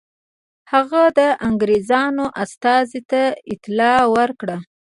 هغه د انګرېزانو استازي ته اطلاع ورکړه.